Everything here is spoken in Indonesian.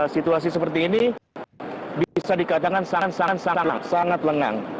situasi seperti ini bisa dikatakan sangat sangat lengang